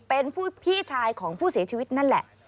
เป็นพี่ชายของผู้เสียชีวิตนั่นแหละ